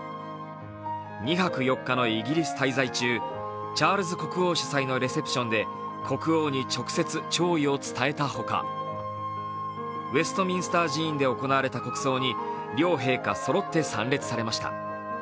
２泊４日のイギリス滞在中、チャールズ国王主催のレセプションで国王に直接、弔意を伝えたほか、ウェストミンスター寺院で行われた国葬に両陛下そろって参列されました。